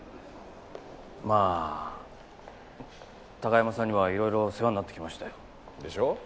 まあ高山さんには色々世話になってきましたよ。でしょう？